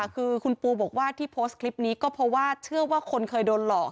คือคุณปูบอกว่าที่โพสต์คลิปนี้ก็เพราะว่าเชื่อว่าคนเคยโดนหลอก